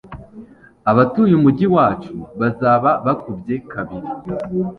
abatuye umujyi wacu bazaba bakubye kabiri